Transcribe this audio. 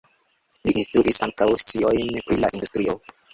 Li instruis ankaŭ sciojn pri la industrio.